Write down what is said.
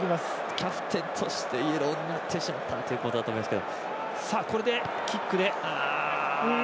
キャプテンとしてイエローになってしまったらだと思いますが。